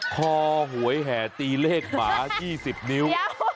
คอหวยแห่ตีเลขหมา๒๐นิ้ว